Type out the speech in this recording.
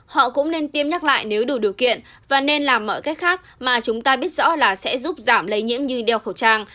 họ cũng nên tiêm nhắc lại nếu đủ điều kiện và nên làm mọi cách khác mà chúng ta biết rõ là sẽ giúp giảm lây nhiễm như đeo khẩu trang